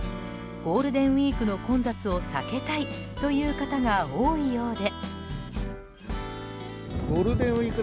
ゴールデンウィークの混雑を避けたいという方が多いようで。